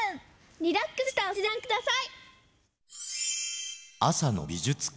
リラックスしたお口でごらんください。